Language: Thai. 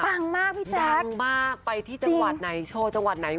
มากพี่แจ๊คปังมากไปที่จังหวัดไหนโชว์จังหวัดไหน